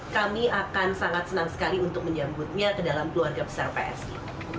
kami akan sangat senang sekali untuk menyambutnya ke dalam keluarga besar psi